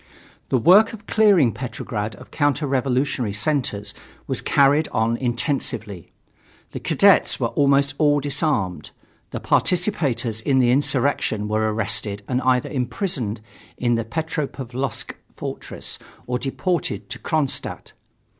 The work of clearing Petrograd of counter revolutionary centers was carried on intensively. The cadets were almost all disarmed, the participators in the insurrection were arrested and either imprisoned in the Petropavlovsk fortress or deported to Kronstadt.